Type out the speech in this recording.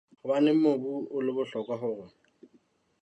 Hobaneng mobu o le bohlokwa ho rona?